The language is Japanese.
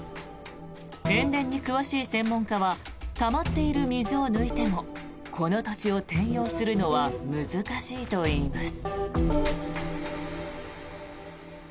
塩田に詳しい専門家はたまっている水を抜いてもこの土地を転用するのは難しいといいます。